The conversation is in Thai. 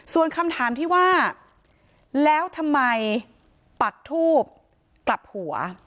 ส่วนคำถามที่ว่าแล้วทำไมปักทูบกลับหัว